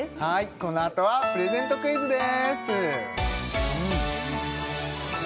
このあとはプレゼントクイズです